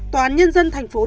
tòa án nhân dân thành phố hải